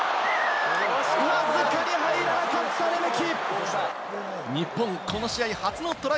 わずかに入らなかった、レメキ。